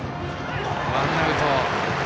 ワンアウト。